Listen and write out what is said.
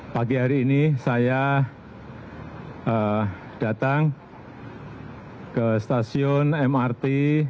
pagi hari ini saya datang ke stasiun mrt